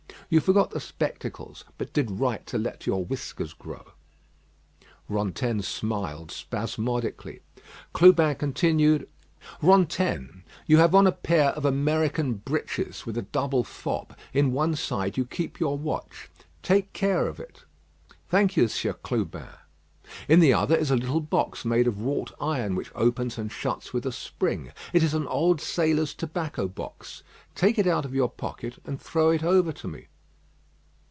You forgot the spectacles; but did right to let your whiskers grow." Rantaine smiled spasmodically. Clubin continued: "Rantaine, you have on a pair of American breeches, with a double fob. In one side you keep your watch. Take care of it." "Thank you, Sieur Clubin." "In the other is a little box made of wrought iron, which opens and shuts with a spring. It is an old sailor's tobacco box. Take it out of your pocket, and throw it over to me."